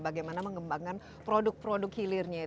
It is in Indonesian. bagaimana mengembangkan produk produk hilirnya